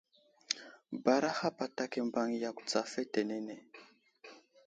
Baraha patak i mbaŋ yakw tsa fetenene.